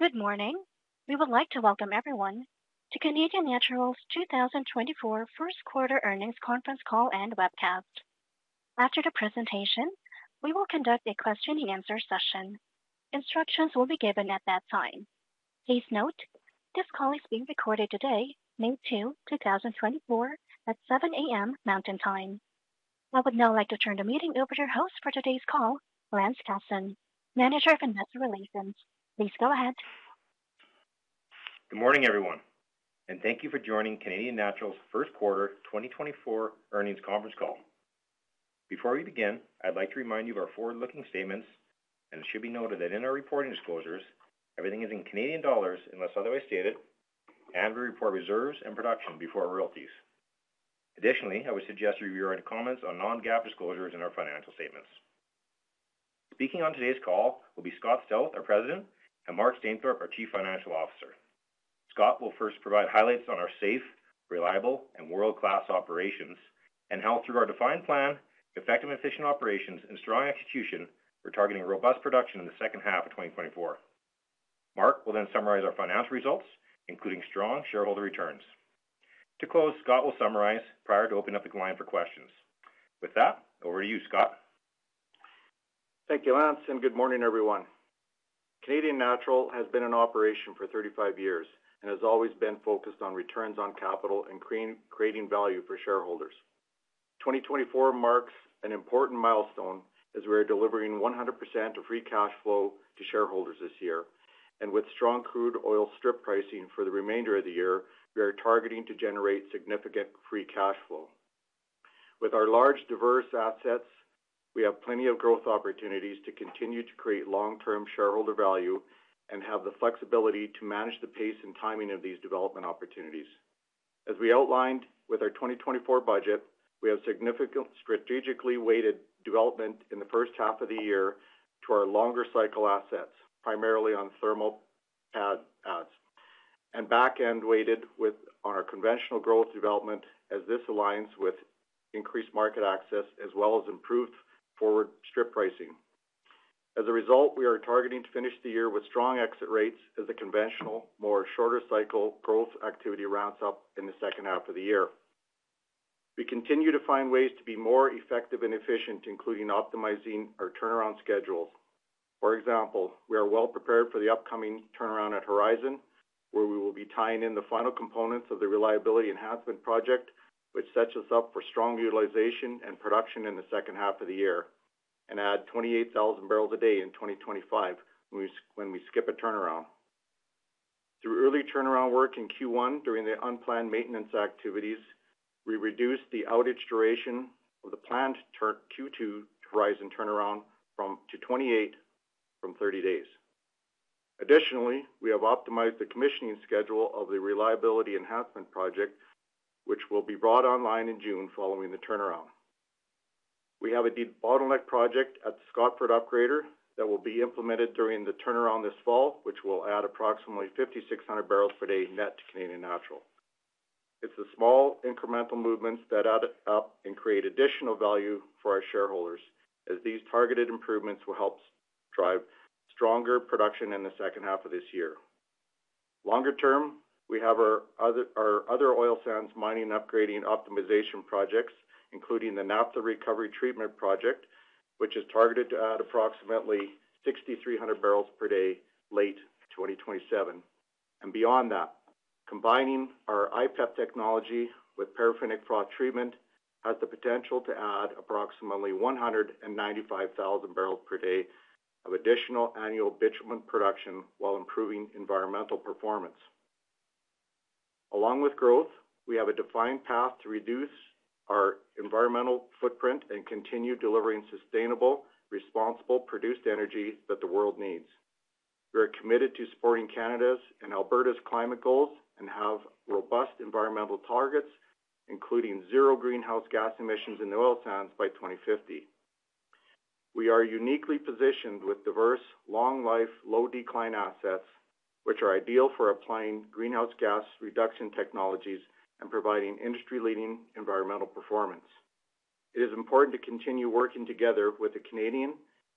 Good morning. We would like to welcome everyone to Canadian Natural's 2024 First Quarter Earnings Conference Call and Webcast. After the presentation, we will conduct a question-and-answer session. Instructions will be given at that time. Please note, this call is being recorded today, May 2, 2024, at 7 A.M. Mountain Time. I would now like to turn the meeting over to your host for today's call, Lance Casson, Manager of Investor Relations. Please go ahead. Good morning, everyone, and thank you for joining Canadian Natural's First Quarter 2024 Earnings Conference call. Before we begin, I'd like to remind you of our forward-looking statements, and it should be noted that in our reporting disclosures, everything is in Canadian dollars unless otherwise stated, and we report reserves and production before royalties. Additionally, I would suggest you review our comments on non-GAAP disclosures in our financial statements. Speaking on today's call will be Scott Stauth, our President, and Mark Stainthorpe, our Chief Financial Officer. Scott will first provide highlights on our safe, reliable, and world-class operations and how, through our defined plan, effective and efficient operations, and strong execution, we're targeting robust production in the second half of 2024. Mark will then summarize our financial results, including strong shareholder returns. To close, Scott will summarize prior to opening up the line for questions. With that, over to you, Scott. Thank you, Lance, and good morning, everyone. Canadian Natural has been in operation for 35 years and has always been focused on returns on capital and creating value for shareholders. 2024 marks an important milestone as we are delivering 100% of free cash flow to shareholders this year. With strong crude oil strip pricing for the remainder of the year, we are targeting to generate significant free cash flow. With our large, diverse assets, we have plenty of growth opportunities to continue to create long-term shareholder value and have the flexibility to manage the pace and timing of these development opportunities. As we outlined with our 2024 budget, we have significant strategically weighted development in the first half of the year to our longer cycle assets, primarily on thermal pads, and back-end weighted with our conventional growth development as this aligns with increased market access as well as improved forward strip pricing. As a result, we are targeting to finish the year with strong exit rates as the conventional, more shorter cycle growth activity rounds up in the second half of the year. We continue to find ways to be more effective and efficient, including optimizing our turnaround schedules. For example, we are well prepared for the upcoming turnaround at Horizon, where we will be tying in the final components of the Reliability Enhancement Project, which sets us up for strong utilization and production in the second half of the year, and add 28,000 barrels a day in 2025 when we, when we skip a turnaround. Through early turnaround work in Q1 during the unplanned maintenance activities, we reduced the outage duration of the planned turnaround in Q2 from 30-28 days. Additionally, we have optimized the commissioning schedule of the Reliability Enhancement Project, which will be brought online in June following the turnaround. We have a debottleneck project at Scotford Upgrader that will be implemented during the turnaround this fall, which will add approximately 5,600 barrels per day net to Canadian Natural. It's the small incremental movements that add up and create additional value for our shareholders, as these targeted improvements will help drive stronger production in the second half of this year. Longer term, we have our other oil sands mining, upgrading, optimization projects, including the Naphtha Recovery Treatment Project, which is targeted to add approximately 6,300 barrels per day, late 2027. And beyond that, combining our IPEP technology with paraffinic froth treatment has the potential to add approximately 195,000 barrels per day of additional annual bitumen production while improving environmental performance. Along with growth, we have a defined path to reduce our environmental footprint and continue delivering sustainable, responsible, produced energy that the world needs. We are committed to supporting Canada's and Alberta's climate goals and have robust environmental targets, including zero greenhouse gas emissions in the oil sands by 2050. We are uniquely positioned with diverse, long-life, low-decline assets, which are ideal for applying greenhouse gas reduction technologies and providing industry-leading environmental performance. It is important to continue working together with the Canadian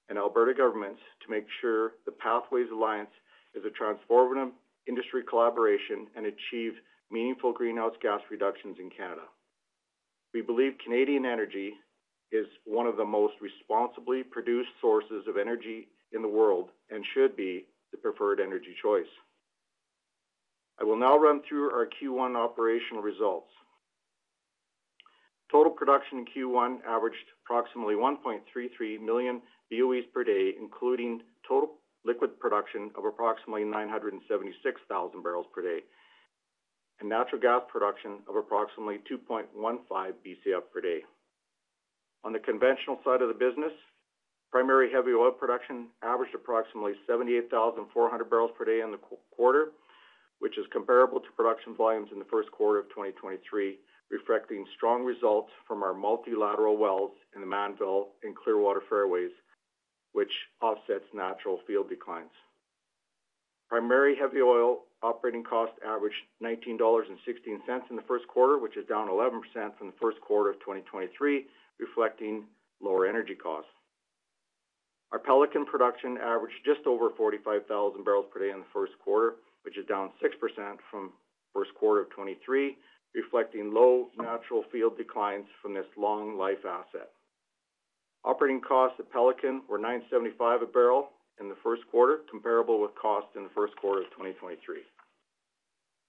and Alberta governments to make sure the Pathways Alliance is a transformative industry collaboration and achieve meaningful greenhouse gas reductions in Canada. We believe Canadian energy is one of the most responsibly produced sources of energy in the world and should be the preferred energy choice. I will now run through our Q1 operational results. Total production in Q1 averaged approximately 1.33 million BOEs per day, including total liquid production of approximately 976,000 barrels per day, and natural gas production of approximately 2.15 BCF per day. On the conventional side of the business, primary heavy oil production averaged approximately 78,400 barrels per day in the first quarter, which is comparable to production volumes in the first quarter of 2023, reflecting strong results from our multilateral wells in the Mannville and Clearwater fairways, which offsets natural field declines. Primary heavy oil operating costs averaged 19.16 dollars in the first quarter, which is down 11% from the first quarter of 2023, reflecting lower energy costs. Our Pelican production averaged just over 45,000 barrels per day in the first quarter, which is down 6% from first quarter of 2023, reflecting low natural field declines from this long life asset. Operating costs at Pelican were 9.75 a barrel in the first quarter, comparable with costs in the first quarter of 2023.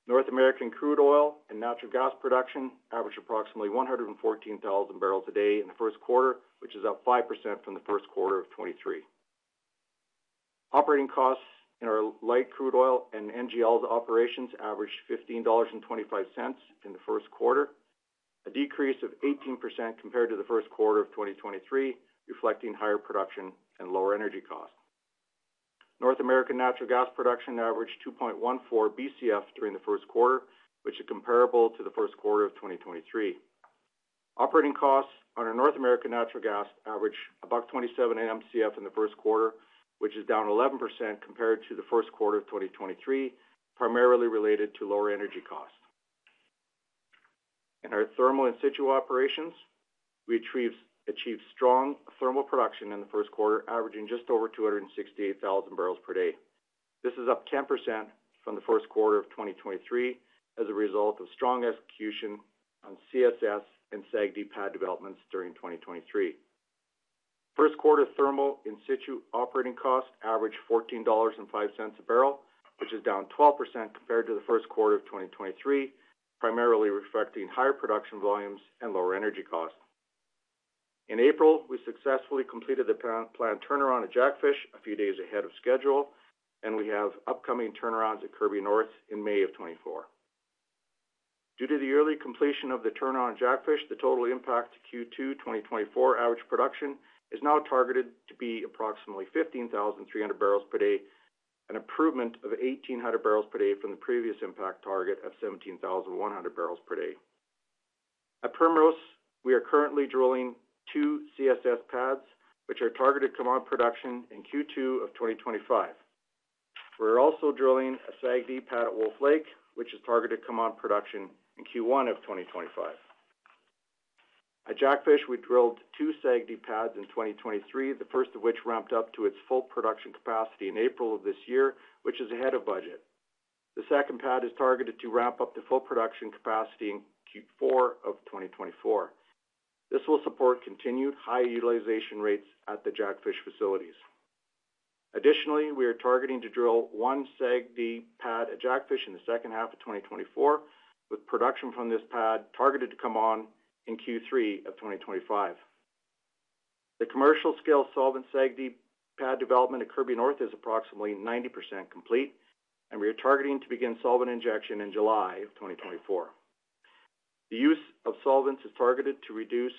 North American crude oil and natural gas production averaged approximately 114,000 barrels a day in the first quarter, which is up 5% from the first quarter of 2023. Operating costs in our light crude oil and NGLs operations averaged 15.25 dollars in the first quarter, a decrease of 18% compared to the first quarter of 2023, reflecting higher production and lower energy costs. North American natural gas production averaged 2.14 BCF during the first quarter, which is comparable to the first quarter of 2023. Operating costs on our North American natural gas averaged about $1.27 per Mcf in the first quarter, which is down 11% compared to the first quarter of 2023, primarily related to lower energy costs. In our thermal in situ operations, we achieved strong thermal production in the first quarter, averaging just over 268,000 barrels per day. This is up 10% from the first quarter of 2023, as a result of strong execution on CSS and SAGD pad developments during 2023. First quarter thermal in situ operating costs averaged 14.05 a barrel, which is down 12% compared to the first quarter of 2023, primarily reflecting higher production volumes and lower energy costs. In April, we successfully completed the planned turnaround at Jackfish a few days ahead of schedule, and we have upcoming turnarounds at Kirby North in May of 2024. Due to the early completion of the turnaround at Jackfish, the total impact to Q2 2024 average production is now targeted to be approximately 15,300 barrels per day, an improvement of 1,800 barrels per day from the previous impact target of 17,100 barrels per day. At Primrose, we are currently drilling two CSS pads, which are targeted to come on production in Q2 of 2025. We're also drilling a SAGD pad at Wolf Lake, which is targeted to come on production in Q1 of 2025. At Jackfish, we drilled two SAGD pads in 2023, the first of which ramped up to its full production capacity in April of this year, which is ahead of budget. The second pad is targeted to ramp up to full production capacity in Q4 of 2024. This will support continued high utilization rates at the Jackfish facilities. Additionally, we are targeting to drill one SAGD pad at Jackfish in the second half of 2024, with production from this pad targeted to come on in Q3 of 2025. The commercial-scale solvent SAGD pad development at Kirby North is approximately 90% complete, and we are targeting to begin solvent injection in July of 2024. The use of solvents is targeted to reduce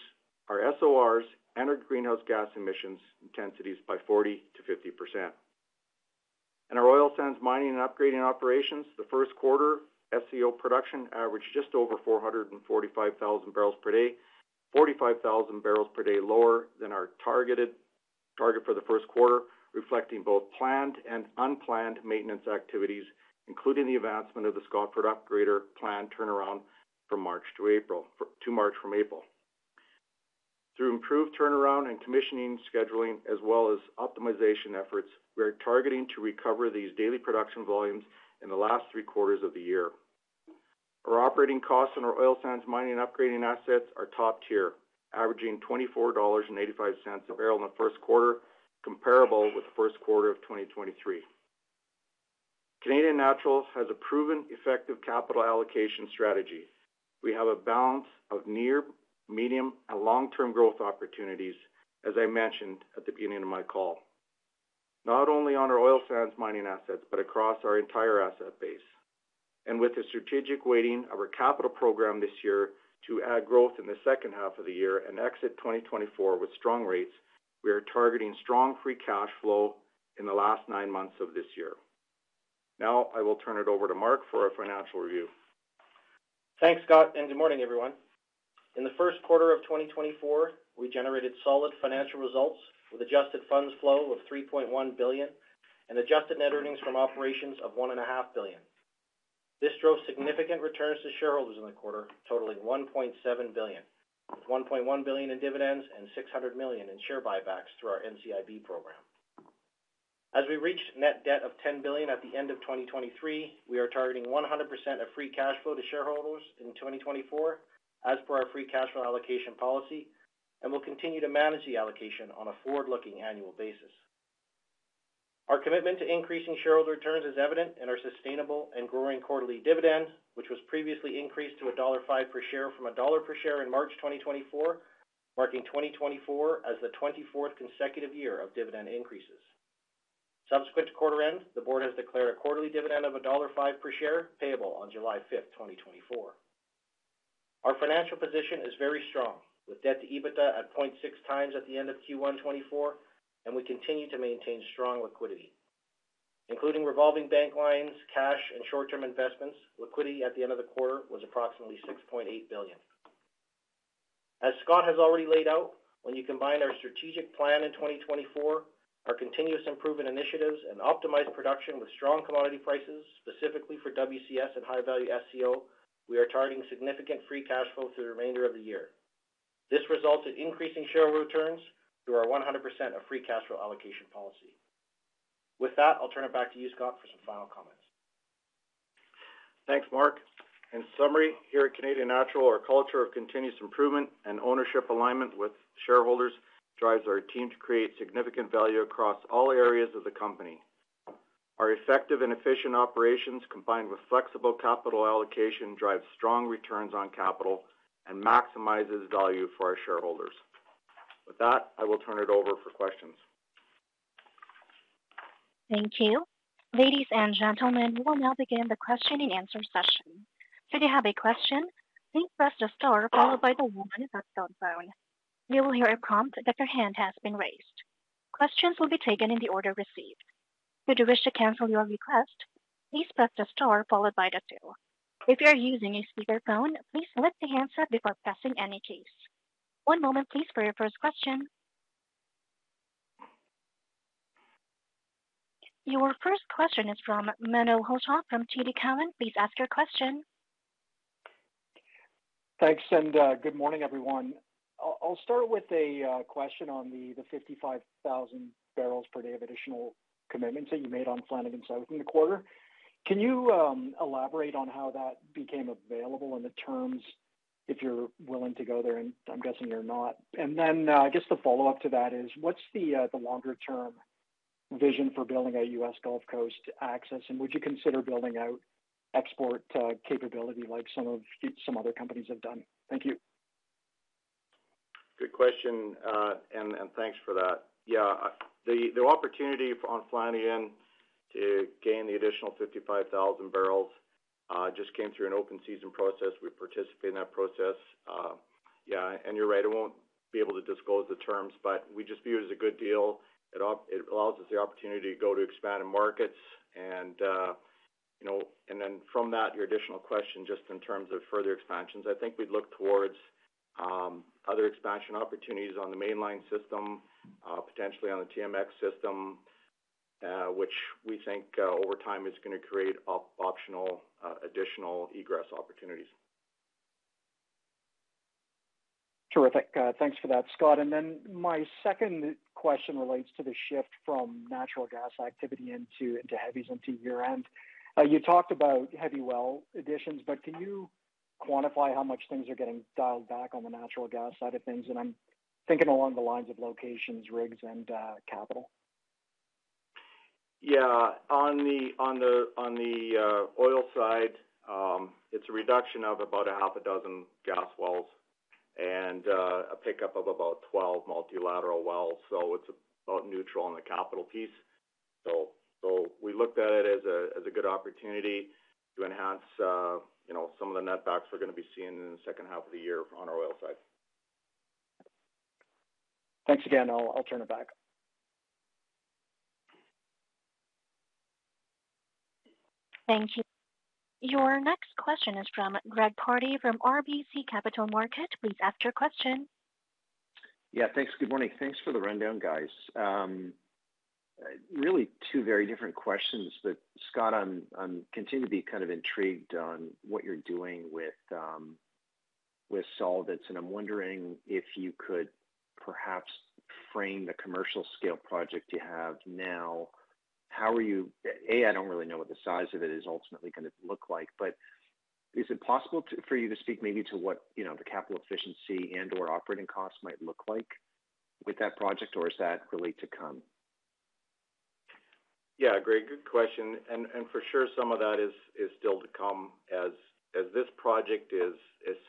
our SORs and our greenhouse gas emissions intensities by 40%-50%. In our oil sands mining and upgrading operations, the first quarter SCO production averaged just over 445,000 barrels per day, 45,000 barrels per day lower than our target for the first quarter, reflecting both planned and unplanned maintenance activities, including the advancement of the Scotford Upgrader planned turnaround from April to March. Through improved turnaround and commissioning, scheduling, as well as optimization efforts, we are targeting to recover these daily production volumes in the last three quarters of the year. Our operating costs in our oil sands mining and upgrading assets are top tier, averaging 24.85 dollars a barrel in the first quarter, comparable with the first quarter of 2023. Canadian Natural has a proven effective capital allocation strategy. We have a balance of near, medium, and long-term growth opportunities, as I mentioned at the beginning of my call, not only on our oil sands mining assets, but across our entire asset base. With the strategic weighting of our capital program this year to add growth in the second half of the year and exit 2024 with strong rates, we are targeting strong free cash flow in the last nine months of this year. Now, I will turn it over to Mark for a financial review. Thanks, Scott, and good morning, everyone. In the first quarter of 2024, we generated solid financial results with adjusted funds flow of 3.1 billion and adjusted net earnings from operations of 1.5 billion. This drove significant returns to shareholders in the quarter, totaling 1.7 billion, with 1.1 billion in dividends and 600 million in share buybacks through our NCIB program. As we reached net debt of 10 billion at the end of 2023, we are targeting 100% of free cash flow to shareholders in 2024, as per our free cash flow allocation policy, and will continue to manage the allocation on a forward-looking annual basis. Our commitment to increasing shareholder returns is evident and our sustainable and growing quarterly dividend, which was previously increased to dollar 1.05 per share from CAD 1.00 per share in March 2024, marking 2024 as the 24th consecutive year of dividend increases. Subsequent to quarter end, the board has declared a quarterly dividend of dollar 1.05 per share, payable on July 5, 2024. Our financial position is very strong, with debt to EBITDA at 0.6 times at the end of Q1 2024, and we continue to maintain strong liquidity. Including revolving bank lines, cash, and short-term investments, liquidity at the end of the quarter was approximately 6.8 billion. As Scott has already laid out, when you combine our strategic plan in 2024, our continuous improvement initiatives and optimized production with strong commodity prices, specifically for WCS and high-value SCO, we are targeting significant free cash flow through the remainder of the year. This results in increasing share returns through our 100% of free cash flow allocation policy. With that, I'll turn it back to you, Scott, for some final comments. Thanks, Mark. In summary, here at Canadian Natural, our culture of continuous improvement and ownership alignment with shareholders drives our team to create significant value across all areas of the company. Our effective and efficient operations, combined with flexible capital allocation, drives strong returns on capital and maximizes value for our shareholders. With that, I will turn it over for questions. Thank you. Ladies and gentlemen, we will now begin the question-and-answer session. If you have a question, please press the star followed by the one on your telephone. You will hear a prompt that your hand has been raised. Questions will be taken in the order received. If you wish to cancel your request, please press the star followed by the two. If you are using a speakerphone, please lift the handset before pressing any keys. One moment, please, for your first question. Your first question is from Menno Hulshof from TD Cowen. Please ask your question. Thanks, and good morning, everyone. I'll start with a question on the 55,000 barrels per day of additional commitments that you made on Flanagan South in the quarter. Can you elaborate on how that became available and the terms, if you're willing to go there, and I'm guessing you're not. And then, I guess the follow-up to that is, what's the longer-term vision for building a U.S. Gulf Coast access, and would you consider building out export capability like some other companies have done? Thank you. Good question. And thanks for that. Yeah, the opportunity on Flanagan to gain the additional 55,000 barrels just came through an open season process. We participated in that process. Yeah, and you're right, I won't be able to disclose the terms, but we just view it as a good deal. It allows us the opportunity to go to expanding markets and, you know. And then from that, your additional question, just in terms of further expansions, I think we'd look towards other expansion opportunities on the mainline system, potentially on the TMX system, which we think over time is gonna create optional additional egress opportunities. Terrific. Thanks for that, Scott. And then my second question relates to the shift from natural gas activity into, into heavies onto your end. You talked about heavy well additions, but can you quantify how much things are getting dialed back on the natural gas side of things? And I'm thinking along the lines of locations, rigs, and capital. Yeah. On the oil side, it's a reduction of about six gas wells and a pickup of about 12 multilateral wells, so it's about neutral on the capital piece. So we looked at it as a good opportunity to enhance, you know, some of the net backs we're gonna be seeing in the second half of the year on our oil side. Thanks again. I'll turn it back. Thank you. Your next question is from Greg Pardy, from RBC Capital Markets. Please ask your question. Yeah, thanks. Good morning. Thanks for the rundown, guys. Really two very different questions, but Scott, I'm, I'm continue to be kind of intrigued on what you're doing with, with solvents, and I'm wondering if you could perhaps frame the commercial scale project you have now. How are you-- I don't really know what the size of it is ultimately gonna look like, but is it possible to-- for you to speak maybe to what, you know, the capital efficiency and/or operating costs might look like with that project, or is that really to come? Yeah, Greg, good question. And for sure, some of that is still to come as this project is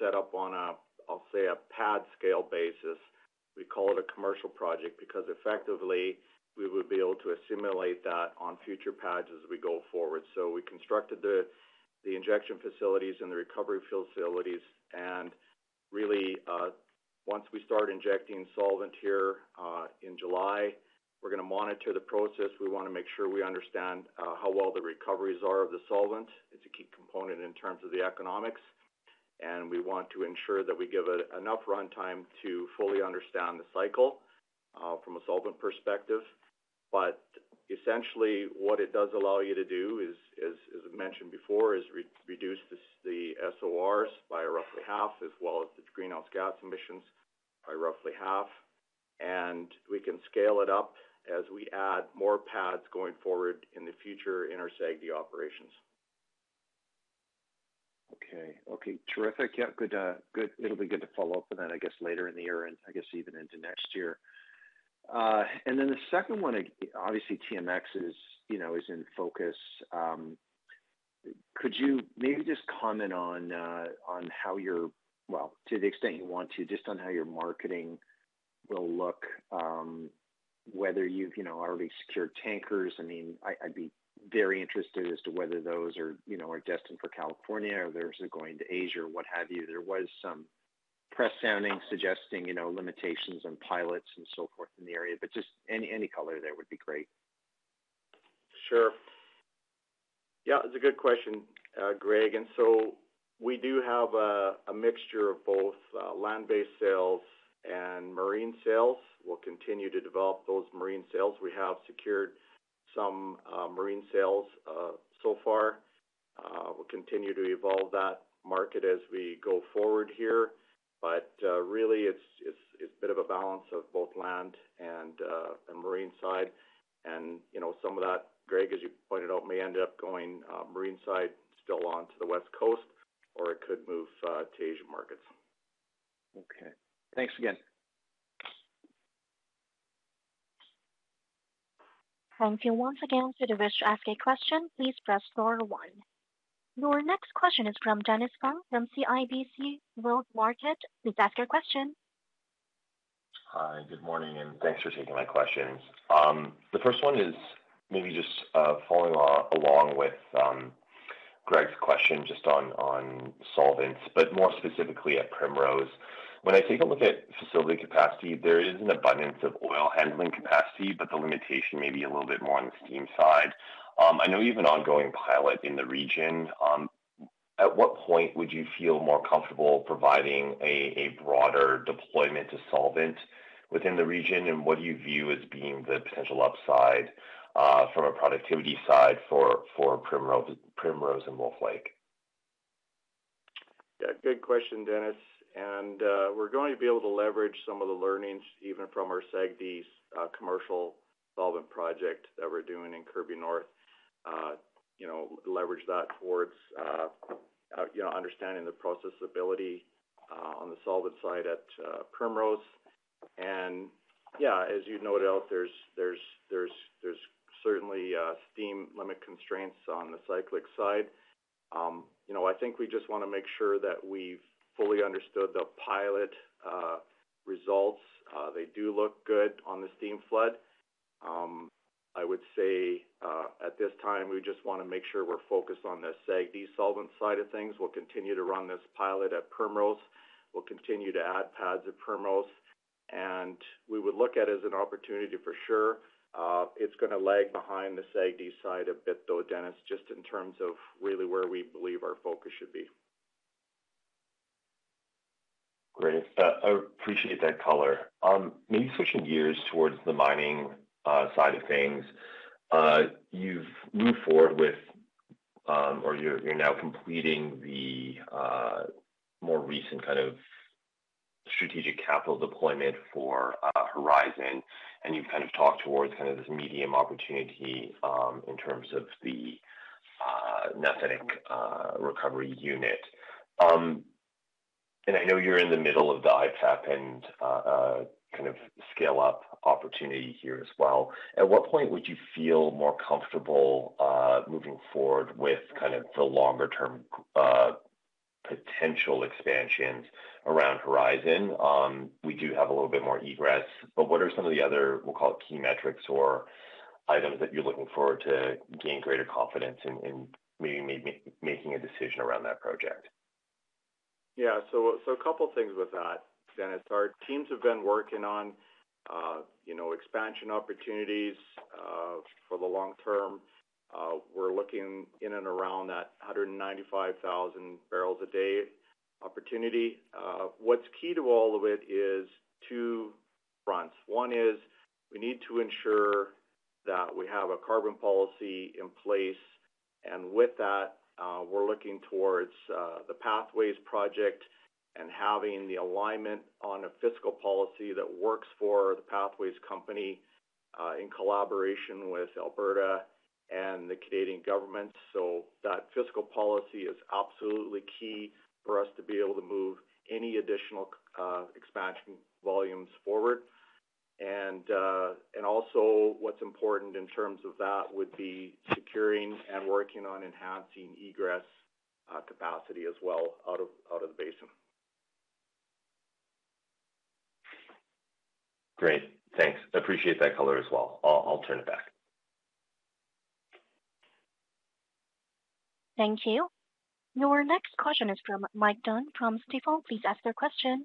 set up on a, I'll say, a pad scale basis. We call it a commercial project because effectively, we would be able to assimilate that on future pads as we go forward. So we constructed the injection facilities and the recovery field facilities, and really, once we start injecting solvent here in July, we're gonna monitor the process. We wanna make sure we understand how well the recoveries are of the solvent. It's a key component in terms of the economics, and we want to ensure that we give it enough runtime to fully understand the cycle from a solvent perspective. But essentially, what it does allow you to do is, as I mentioned before, is reduce the SORs by roughly half, as well as the greenhouse gas emissions by roughly half. And we can scale it up as we add more pads going forward in the future in our SAGD operations. Okay. Okay, terrific. Yeah, good, good... It'll be good to follow up on that, I guess, later in the year and I guess even into next year. And then the second one, obviously, TMX is, you know, is in focus. Could you maybe just comment on, on how your-- well, to the extent you want to, just on how your marketing will look, whether you've, you know, already secured tankers? I mean, I, I'd be very interested as to whether those are, you know, are destined for California or they're going to Asia or what have you. There was some press sounding, suggesting, you know, limitations on pilots and so forth in the area, but just any, any color there would be great.... Sure. Yeah, it's a good question, Greg. And so we do have a mixture of both land-based sales and marine sales. We'll continue to develop those marine sales. We have secured some marine sales so far. We'll continue to evolve that market as we go forward here. But really, it's a bit of a balance of both land and marine side. And, you know, some of that, Greg, as you pointed out, may end up going marine side still onto the West Coast, or it could move to Asian markets. Okay, thanks again. Thank you once again. If you wish to ask a question, please press star one. Your next question is from Dennis Fong from CIBC World Markets. Please ask your question. Hi, good morning, and thanks for taking my questions. The first one is maybe just following along with Greg's question, just on solvents, but more specifically at Primrose. When I take a look at facility capacity, there is an abundance of oil handling capacity, but the limitation may be a little bit more on the steam side. I know you have an ongoing pilot in the region. At what point would you feel more comfortable providing a broader deployment to solvent within the region? And what do you view as being the potential upside from a productivity side for Primrose and Wolf Lake? Yeah, good question, Dennis. And, we're going to be able to leverage some of the learnings, even from our SAGD commercial solvent project that we're doing in Kirby North. You know, leverage that towards, you know, understanding the processability on the solvent side at Primrose. And yeah, as you noted out, there's certainly steam limit constraints on the cyclic side. You know, I think we just want to make sure that we've fully understood the pilot results. They do look good on the steam flood. I would say, at this time, we just want to make sure we're focused on the SAGD solvent side of things. We'll continue to run this pilot at Primrose. We'll continue to add pads at Primrose, and we would look at it as an opportunity for sure. It's gonna lag behind the SAGD side a bit, though, Dennis, just in terms of really where we believe our focus should be. Great. I appreciate that color. Maybe switching gears towards the mining side of things. You've moved forward with, or you're now completing the more recent kind of strategic capital deployment for Horizon, and you've kind of talked towards kind of this medium opportunity in terms of the naphtha recovery unit. And I know you're in the middle of the IPEP and kind of scale-up opportunity here as well. At what point would you feel more comfortable moving forward with kind of the longer-term potential expansions around Horizon? We do have a little bit more egress, but what are some of the other, we'll call it, key metrics or items that you're looking for to gain greater confidence in making a decision around that project? Yeah. So a couple things with that, Dennis. Our teams have been working on, you know, expansion opportunities, for the long term. We're looking in and around that 195,000 barrels a day opportunity. What's key to all of it is two fronts. One is we need to ensure that we have a carbon policy in place, and with that, we're looking towards the Pathways project and having the alignment on a fiscal policy that works for the Pathways company, in collaboration with Alberta and the Canadian government. So that fiscal policy is absolutely key for us to be able to move any additional expansion volumes forward. And also what's important in terms of that would be securing and working on enhancing egress capacity as well, out of the basin. Great, thanks. Appreciate that color as well. I'll turn it back. Thank you. Your next question is from Mike Dunn from Stifel. Please ask your question.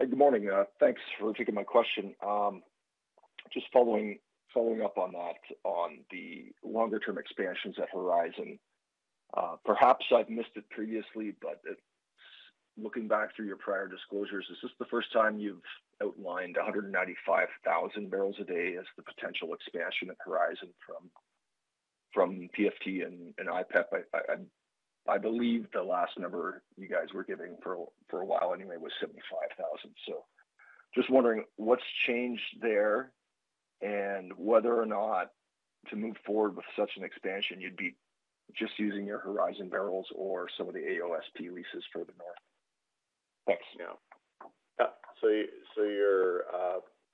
Good morning. Thanks for taking my question. Just following up on that, on the longer-term expansions at Horizon. Perhaps I've missed it previously, but it's looking back through your prior disclosures, is this the first time you've outlined 195,000 barrels a day as the potential expansion at Horizon from PFT and IPEP? I believe the last number you guys were giving for a while anyway was 75,000. So just wondering what's changed there and whether or not to move forward with such an expansion, you'd be just using your Horizon barrels or some of the AOSP leases further north? Thanks. Yeah. So your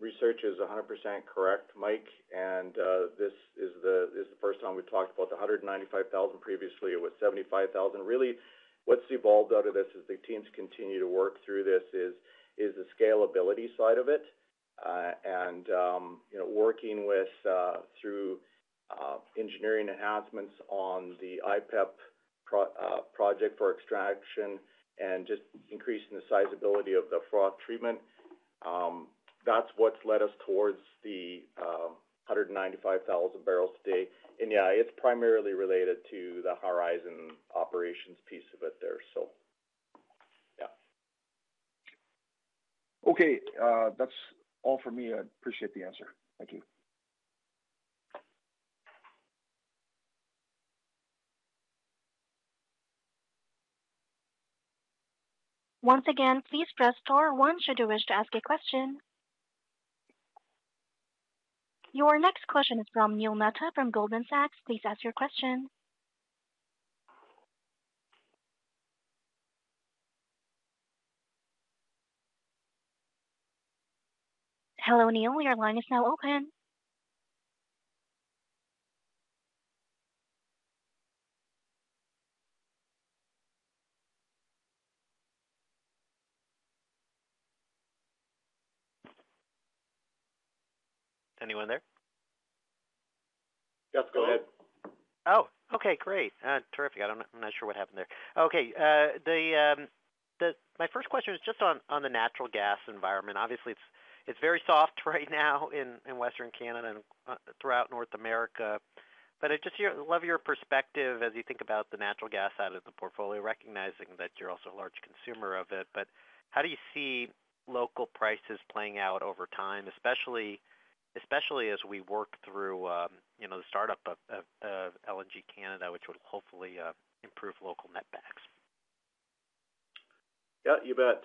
research is 100% correct, Mike, and this is the first time we've talked about the 195,000. Previously, it was 75,000. Really, what's evolved out of this as the teams continue to work through this is the scalability side of it. And you know, working through engineering enhancements on the IPEP project for extraction and just increasing the scalability of the froth treatment. That's what's led us towards the 195,000 barrels per day. And yeah, it's primarily related to the Horizon operations piece of it there, so yeah. Okay, that's all for me. I appreciate the answer. Thank you. Once again, please press star one should you wish to ask a question. Your next question is from Neil Mehta from Goldman Sachs. Please ask your question. Hello, Neil, your line is now open. Anyone there? Yes, go ahead. Oh, okay, great. Terrific. I'm not sure what happened there. Okay, my first question is just on the natural gas environment. Obviously, it's very soft right now in Western Canada and throughout North America. But I just love your perspective as you think about the natural gas side of the portfolio, recognizing that you're also a large consumer of it. But how do you see local prices playing out over time, especially as we work through you know, the startup of LNG Canada, which would hopefully improve local netbacks? Yeah, you bet.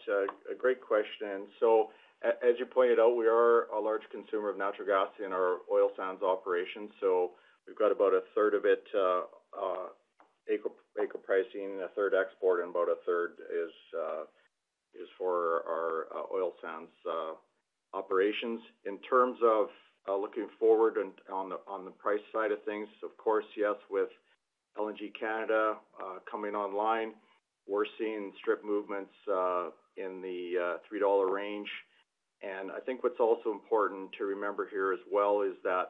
A great question. So as you pointed out, we are a large consumer of natural gas in our oil sands operations, so we've got about a third of it, AECO pricing, a third export, and about a third is for our oil sands operations. In terms of looking forward and on the price side of things, of course, yes, with LNG Canada coming online, we're seeing strip movements in the $3 range. And I think what's also important to remember here as well is that,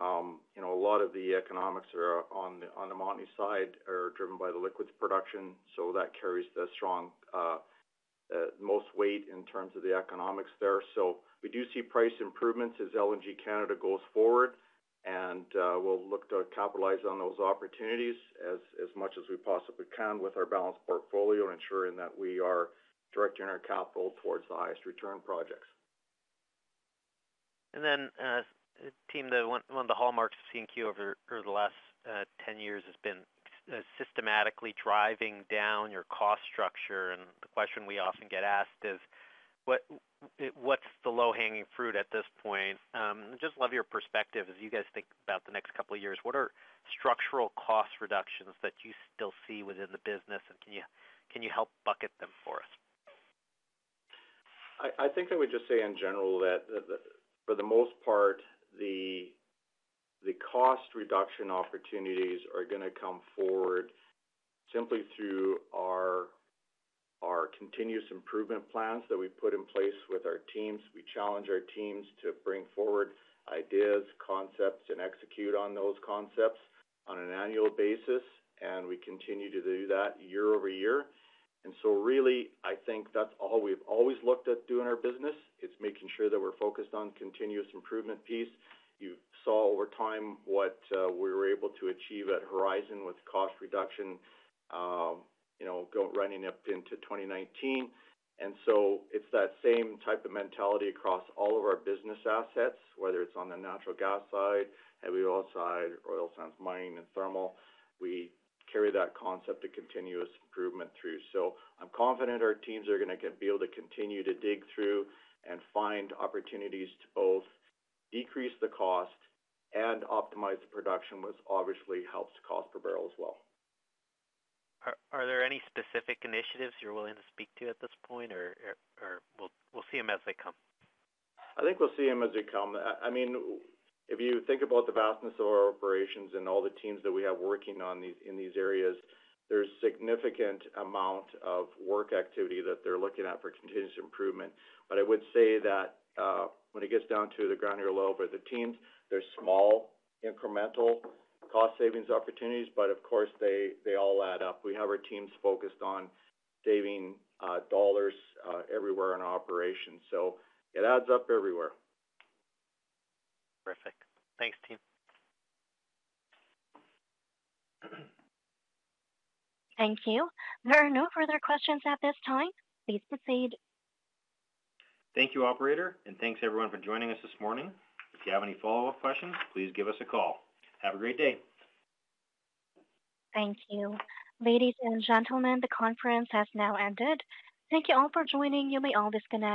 you know, a lot of the economics are on the Montney side, are driven by the liquids production, so that carries the strong most weight in terms of the economics there. So we do see price improvements as LNG Canada goes forward, and we'll look to capitalize on those opportunities as much as we possibly can with our balanced portfolio, ensuring that we are directing our capital towards the highest return projects. And then, team, one of the hallmarks of CNQ over the last ten years has been systematically driving down your cost structure, and the question we often get asked is: What's the low-hanging fruit at this point? Just love your perspective as you guys think about the next couple of years, what are structural cost reductions that you still see within the business, and can you help bucket them for us? I think I would just say in general that for the most part the cost reduction opportunities are gonna come forward simply through our continuous improvement plans that we've put in place with our teams. We challenge our teams to bring forward ideas, concepts, and execute on those concepts on an annual basis, and we continue to do that year-over-year. So really, I think that's all we've always looked at doing our business. It's making sure that we're focused on continuous improvement piece. You saw over time what we were able to achieve at Horizon with cost reduction, you know, go running up into 2019. So it's that same type of mentality across all of our business assets, whether it's on the natural gas side, heavy oil side, oil sands, mining, and thermal. We carry that concept of continuous improvement through. So I'm confident our teams are gonna be able to continue to dig through and find opportunities to both decrease the cost and optimize the production, which obviously helps cost per barrel as well. Are there any specific initiatives you're willing to speak to at this point, or we'll see them as they come? I think we'll see them as they come. I mean, if you think about the vastness of our operations and all the teams that we have working on these in these areas, there's significant amount of work activity that they're looking at for continuous improvement. But I would say that, when it gets down to the ground level, the teams, they're small, incremental cost savings opportunities, but of course, they, they all add up. We have our teams focused on saving dollars everywhere in our operations, so it adds up everywhere. Perfect. Thanks, team. Thank you. There are no further questions at this time. Please proceed. Thank you, operator. Thanks everyone for joining us this morning. If you have any follow-up questions, please give us a call. Have a great day. Thank you. Ladies and gentlemen, the conference has now ended. Thank you all for joining. You may all disconnect.